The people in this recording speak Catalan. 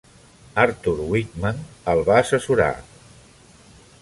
Arthur Wightman el va assessorar.